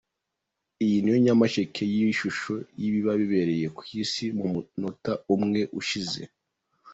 Iyi niyo nshamake y’ishusho y’ibiba bibereye ku isi mu munota umwe ushize.